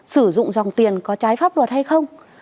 sử dụng dòng tiền có trái pháp luật hay không